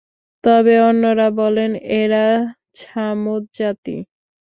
তবে অন্যরা বলেন, এরা ছামূদ জাতি।